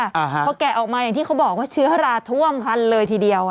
อ่าฮะพอแกะออกมาอย่างที่เขาบอกว่าเชื้อราท่วมคันเลยทีเดียว